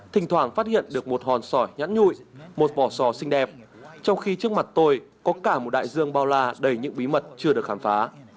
thỉnh thoảng phát hiện được một hòn sỏi nhãn nhụi một vỏ sò xinh đẹp trong khi trước mặt tôi có cả một đại dương bao la đầy những bí mật chưa được khám phá